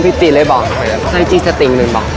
๖พิตีนเลยบอกไทยจีสติงหนึ่งบอก